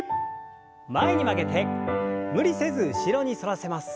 前に曲げて無理せず後ろに反らせます。